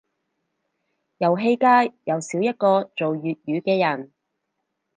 遊戲界又少一個做粵語嘅人